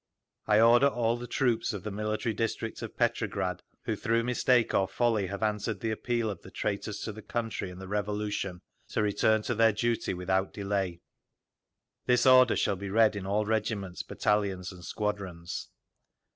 I order all the troops of the Military District of Petrograd, who through mistake or folly have answered the appeal of the traitors to the country and the Revolution, to return to their duty without delay. This order shall be read in all regiments, battalions and squadrons.